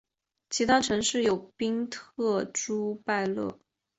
其他城市有宾特朱拜勒。